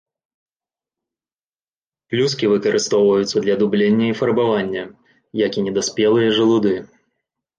Плюскі выкарыстоўваюцца для дублення і фарбавання, як і недаспелыя жалуды.